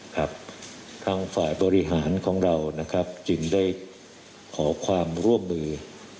ครับทางฝ่ายบริหารของเราจึงได้ขอความร่วมมือ